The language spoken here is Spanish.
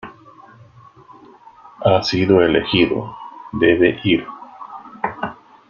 Ha sido elegido. Debe ir .